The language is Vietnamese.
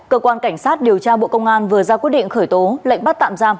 cơ quan cảnh sát điều tra bộ công an vừa ra quyết định khởi tố lệnh bắt tạm giam